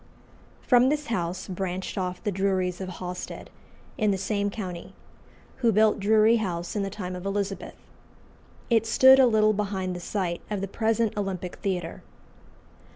From this house branched off the Druries of Hawstead, in the same county, who built Drury House in the time of Elizabeth. It stood a little behind the site of the present Olympic Theatre.